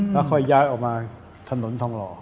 แล้วค่อยย้ายออกมาถนนทองหล่อ